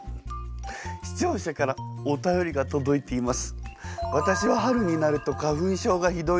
視聴者からお便りが届いています。